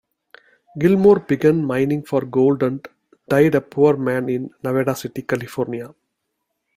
Gilmore began mining for gold and died a poor man in Nevada City, California.